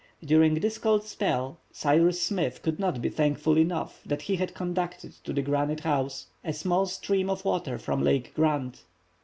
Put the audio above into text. During this cold spell Cyrus Smith could not be thankful enough that he had conducted to Granite House a small stream of water from Lake Grant.